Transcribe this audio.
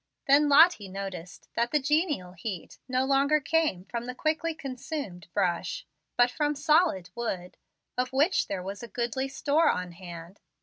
Then Lottie noticed that the genial heat no longer came from the quickly consumed brush, but from solid wood, of which there was a goodly store on hand.